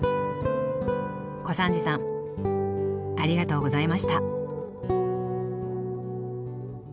小三治さんありがとうございました。